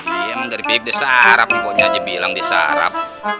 dia emang dari bibir dia sarap empuknya aja bilang dia sarap